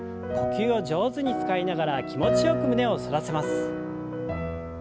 呼吸を上手に使いながら気持ちよく胸を反らせます。